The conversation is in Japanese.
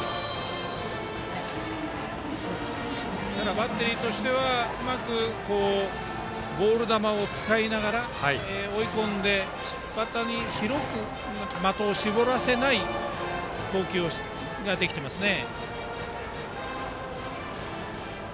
バッテリーとしてはうまく、ボール球を使いながら追い込んでバッターに広く的を絞らせない投球ができていますね。